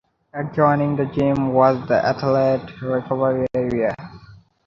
Adjoining the gym was the Athlete Recovery Area.